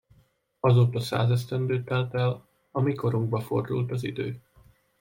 Azóta száz esztendő telt el, a mi korunkba fordult az idő.